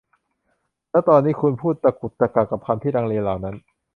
และตอนนี้คุณพูดตะกุกตะกักกับคำที่ลังเลเหล่านั้น